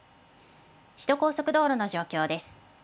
首都高速道路の状況です。